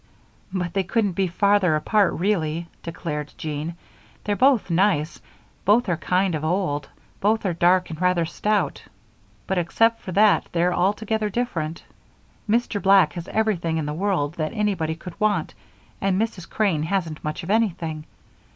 "But they couldn't be farther apart really," declared Jean. "They're both nice, both are kind of old, both are dark and rather stout, but except for that they're altogether different. Mr. Black has everything in the world that anybody could want, and Mrs. Crane hasn't much of anything.